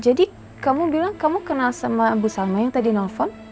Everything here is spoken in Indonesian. jadi kamu bilang kamu kenal sama bu salma yang tadi nelfon